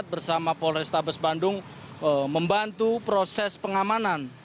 bersama polrestabes bandung membantu proses pengamanan